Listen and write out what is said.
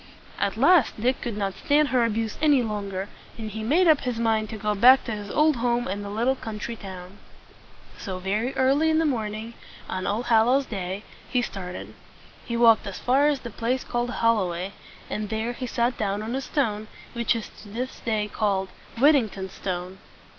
At last Dick could not stand her abuse any longer, and he made up his mind to go back to his old home in the little country town. So, very early in the morning on All hal lows Day, he started. He walked as far as the place called Hol lo way, and there he sat down on a stone, which to this day is called "Whit ting ton's Stone."